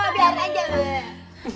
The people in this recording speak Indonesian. biar aja bu